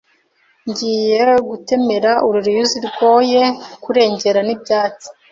ngiye gutemera uru ruyuzi rwoye kurengerwa n' ibyatsi.